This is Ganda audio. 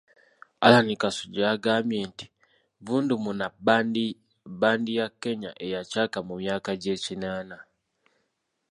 Allan Kasujja yagambye nti, "Vundumuna bbandi ya Kenya eyacaaka mu myaka gy'ekinaana"